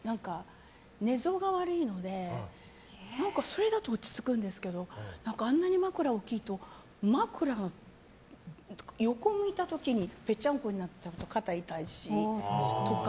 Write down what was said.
寝相が悪いのでそれだと落ち着くんですけどあんなに枕が大きいと横向いた時にぺちゃんこになっちゃうと肩が痛いしとか。